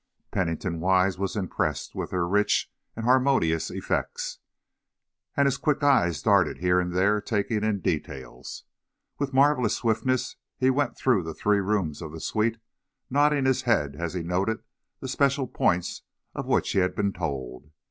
Pennington Wise was impressed with their rich and harmonious effects, and his quick eyes darted here and there, taking in details. With marvelous swiftness he went through the three rooms of the suite nodding his head as he noted the special points of which he had been told.